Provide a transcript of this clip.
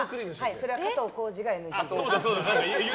それは加藤浩次がＮＧで。